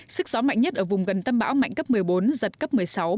sức gió mạnh nhất ở vùng gần tâm bão mạnh cấp một mươi bốn giật cấp một mươi sáu một mươi bảy